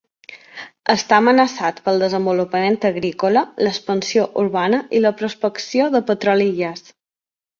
Està amenaçat pel desenvolupament agrícola, l'expansió urbana i la prospecció de petroli i gas.